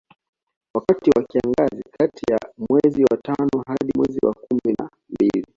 Wakati wa kiangazi kati ya mwezi wa tano hadi mwezi wa kumi na mbili